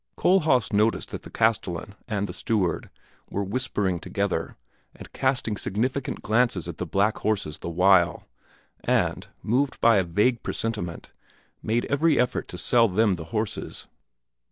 Kohlhaas noticed that the castellan and the steward were whispering together and casting significant glances at the black horses the while, and, moved by a vague presentiment, made every effort to sell them the horses.